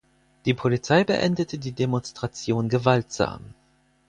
Die Polizei beendete die Demonstration gewaltsam.